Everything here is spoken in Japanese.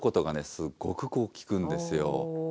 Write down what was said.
すっごく効くんですよ。